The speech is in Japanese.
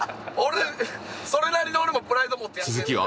それなりの俺もプライド持ってやってんねん。